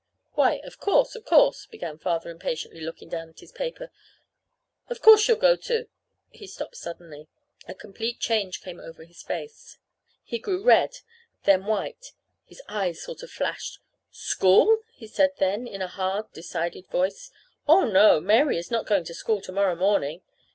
"Why, of course, of course," began Father impatiently, looking down at his paper. "Of course she'll go to " he stopped suddenly. A complete change came to his face. He grew red, then white. His eyes sort of flashed. "School?" he said then, in a hard, decided voice. "Oh, no; Mary is not going to school to morrow morning."